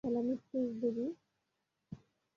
আমি হেলা মৃত্যুর দেবী।